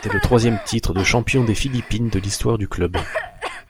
C'est le troisième titre de champion des Philippines de l'histoire du club.